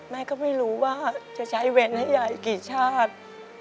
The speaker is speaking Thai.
แม่ก็ไม่รู้ว่าจะใช้เวรให้ยายกี่ชาติ